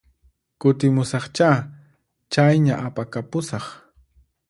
Kutimusaqchá, chayña apakapusaq